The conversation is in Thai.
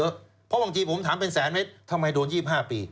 เพราะบางทีผมถามเป็นแสนเมตรทำไมโดน๒๕ปี